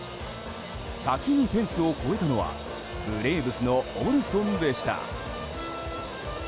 先にフェンスを越えたのはブレーブスのオルソンでした。